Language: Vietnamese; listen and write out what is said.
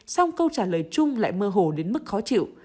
song câu trả lời chung lại mơ hồ đến mức khó chịu